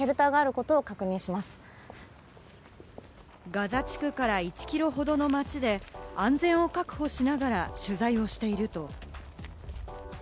ガザ地区から１キロほどの町で安全を確保しながら取材をしていると。